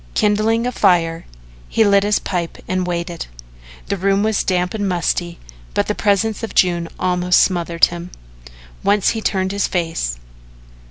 Kindling a fire, he lit his pipe and waited. The room was damp and musty, but the presence of June almost smothered him. Once he turned his face.